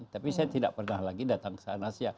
tapi saya tidak pernah lagi datang ke sana